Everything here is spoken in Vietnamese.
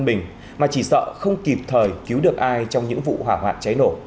bình mà chỉ sợ không kịp thời cứu được ai trong những vụ hỏa hoạn cháy nổ